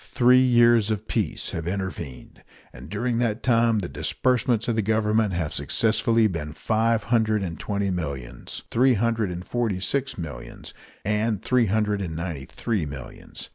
Three years of peace have intervened, and during that time the disbursements of the Government have successively been five hundred and twenty millions, three hundred and forty six millions, and three hundred and ninety three millions.